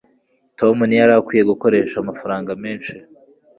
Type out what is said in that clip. tom ntiyari akwiye gukoresha amafaranga menshi